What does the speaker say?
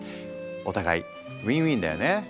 お互いウィンウィンだよね。